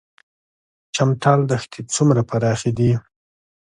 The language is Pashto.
چمتال دښتې څومره پراخې دي؟